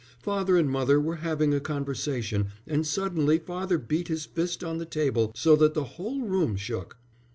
"Father and mother were having a conversation, and suddenly father beat his fist on the table so that the whole room shook."